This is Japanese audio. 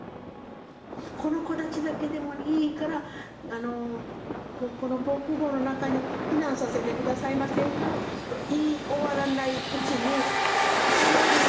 この子たちだけでもいいから、この防空ごうの中に避難させてくださいませんかと、言い終わらないうちに、ばかやろう！です。